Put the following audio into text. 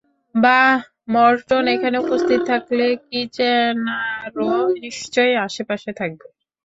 বাহ, মরটন এখানে উপস্থিত থাকলে কিচ্যানারও নিশ্চয়ই আশেপাশে থাকবে।